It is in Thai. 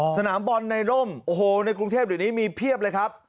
สนามบอลในร่มโอ้โหในกรุงเทพเดี๋ยวนี้มีเพียบเลยครับ